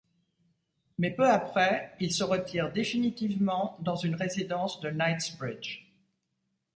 Mais peu après, il se retire définitivement dans une résidence de Knightsbridge.